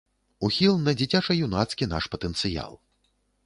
Ухіл на дзіцяча-юнацкі наш патэнцыял.